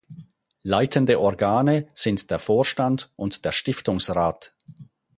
Leitende Organe sind der Vorstand und der Stiftungsrat.